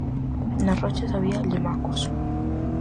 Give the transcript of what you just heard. Nas rochas había limacos.